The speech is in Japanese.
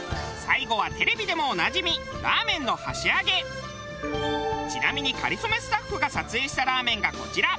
最後はテレビでもおなじみちなみに『かりそめ』スタッフが撮影したラーメンがこちら。